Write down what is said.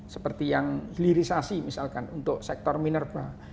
seperti yang glirisasi misalkan untuk sektor mineral